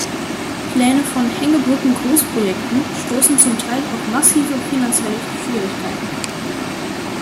Pläne von Hängebrücken-Großprojekten stoßen zum Teil auf massive finanzielle Schwierigkeiten.